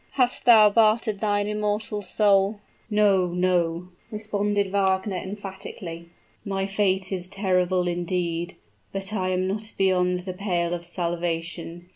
"Hast thou bartered thine immortal soul " "No no!" responded Wagner, emphatically. "My fate is terrible indeed but I am not beyond the pale of salvation.